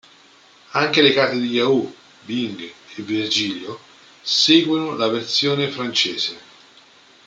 Anche le carte di Yahoo, Bing e Virgilio seguono la "versione francese".